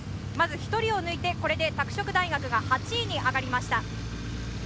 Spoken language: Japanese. １人を抜いて、これで拓殖大が８位に上がりました。